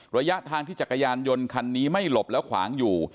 ระยะทางที่จักรยานยนต์คันนี้ไม่หลบแล้วขวางอยู่